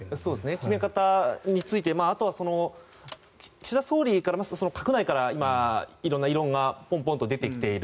決め方についてあとは岸田総理から言いますと閣内から今色んな異論がポンポンと出てきている。